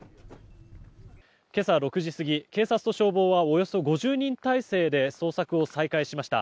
今朝６時過ぎ警察と消防はおよそ５０人態勢で捜索を再開しました。